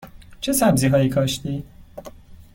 چه سبزی هایی کاشتی؟